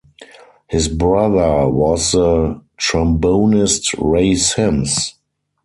His brother was the trombonist Ray Sims.